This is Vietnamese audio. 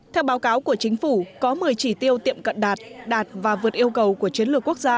theo báo cáo của chính phủ có một mươi chỉ tiêu tiệm cận đạt đạt và vượt yêu cầu của chiến lược quốc gia